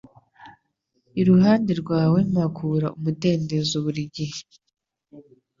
iruhande rwawe mpakura umudendezo burigihe.